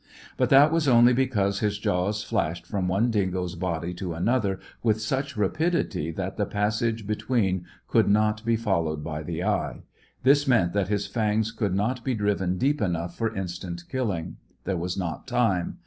But that was only because his jaws flashed from one dingo's body to another with such rapidity that the passage between could not be followed by the eye. This meant that his fangs could not be driven deep enough for instant killing. There was not time.